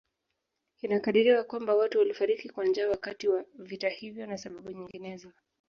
Inakadiriwa kwamba watu walifariki kwa njaa wakati wa vita hivyo na sababu nyinginezo